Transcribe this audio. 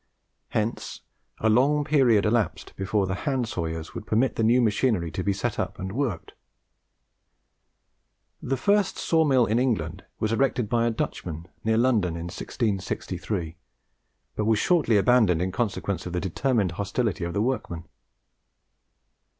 Hence a long period elapsed before the hand sawyers would permit the new machinery to be set up and worked. The first saw mill in England was erected by a Dutchman, near London, in 1663, but was shortly abandoned in consequence of the determined hostility of the workmen.